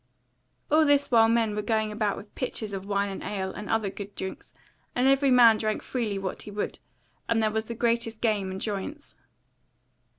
All this while men were going about with pitchers of wine and ale, and other good drinks; and every man drank freely what he would, and there was the greatest game and joyance.